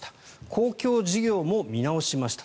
公共事業も見直しました。